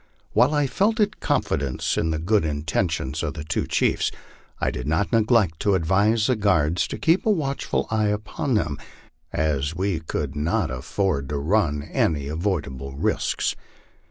While I felt confidence in the good intentions of the two chiefs, I did not neglect to advise the guards to keep a watchful eye upon them, as we could not afford to run any avoidable risks.